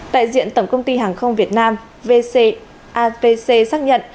tại diện tổng công ty hàng không việt nam vc avc xác nhận